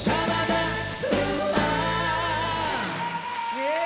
イエーイ！